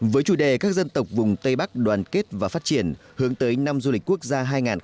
với chủ đề các dân tộc vùng tây bắc đoàn kết và phát triển hướng tới năm du lịch quốc gia hai nghìn hai mươi bốn